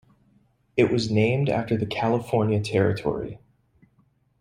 It was named after the California Territory.